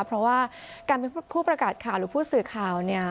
เพราะว่าการเป็นผู้ประกาศข่าวหรือผู้สื่อข่าวเนี่ย